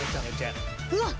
うわっ！